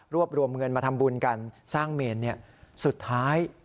รวมเงินมาทำบุญกันสร้างเมนสุดท้าย